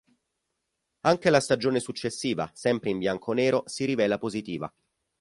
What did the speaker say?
Anche la stagione successiva, sempre in bianconero, si rivela positiva.